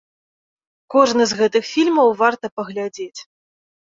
Кожны з гэтых фільмаў варта паглядзець.